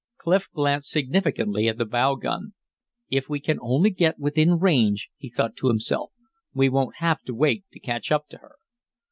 Clif glanced significantly at the bow gun. "If we can only get within range," he thought to himself, "we won't have to wait to catch up to her."